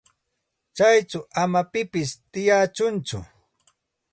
Chayćhu ama pipis tiyachunchu.